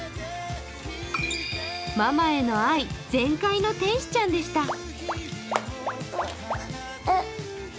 ママへの愛、全開の天使ちゃんでした。